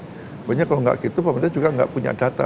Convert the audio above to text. maksudnya kalau tidak gitu pemerintah juga tidak punya data